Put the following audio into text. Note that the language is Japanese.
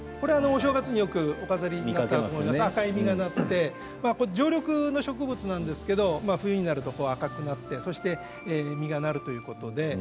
お正月によくお飾り赤い実がなって常緑の植物なんですけど冬になると赤くなって実がなるということで。